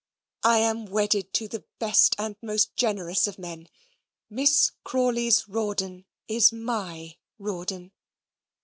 I am wedded to the best and most generous of men Miss Crawley's Rawdon is MY Rawdon.